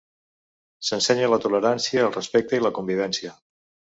S'ensenya la tolerància, el respecte i la convivència.